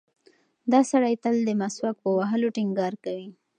دا سړی تل د مسواک په وهلو ټینګار کوي.